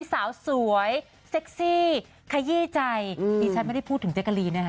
สาวสวยเซ็กซี่ขยี้ใจดิฉันไม่ได้พูดถึงเจ๊กกะลีนนะคะ